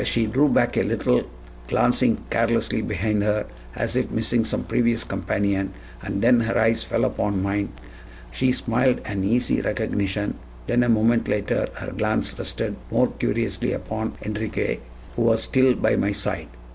She drew back a little, glancing carelessly behind her as if missing some previous companion, and then her eyes fell upon mine. She smiled an easy recognition; then a moment later, her glance rested more curiously upon Enriquez, who was still by my side.